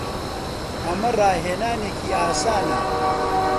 ئەمە ڕاهێنانێکی ئاسانە.